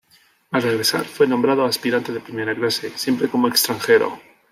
Al regresar, fue nombrado aspirante de primera clase, siempre como extranjero.